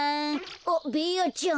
あっベーヤちゃん。